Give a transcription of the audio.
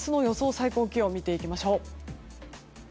最高気温見ていきましょう。